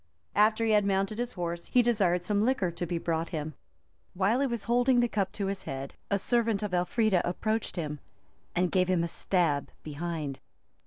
After he had mounted his horse, he desired some liquor to be brought him: while he was holding the cup to his head, a servant of Elfrida approached him, and gave him a stab behind.